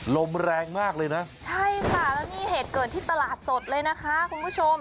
ลมแรงมากเลยนะใช่ค่ะแล้วนี่เหตุเกิดที่ตลาดสดเลยนะคะคุณผู้ชม